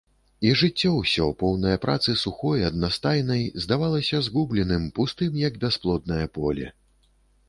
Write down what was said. І жыццё ўсё, поўнае працы сухой, аднастайнай, здавалася згубленым, пустым, як бясплоднае поле.